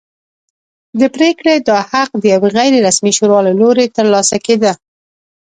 د پرېکړې دا حق د یوې غیر رسمي شورا له لوري ترلاسه کېده.